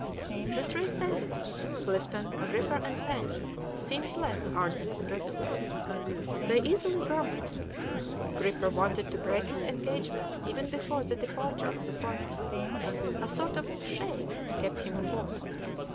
The three sailors, Clifton, Gripper, and Pen, seemed less ardent and resolute; they easily grumbled. Gripper wanted to break his engagement even before the departure of the Forward; a sort of shame kept him on board.